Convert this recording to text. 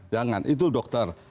jangan itu dokter